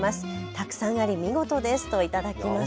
たくさんあり見事ですと頂きました。